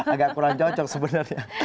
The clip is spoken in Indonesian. agak kurang cocok sebenarnya